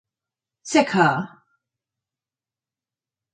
Sekhar.